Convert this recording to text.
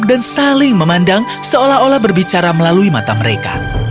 dan saling memandang seolah olah berbicara melalui mata mereka